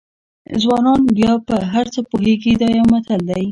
ځوانان بیا په هر څه پوهېږي دا یو متل دی.